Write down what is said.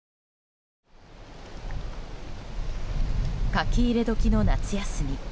書き入れ時の夏休み。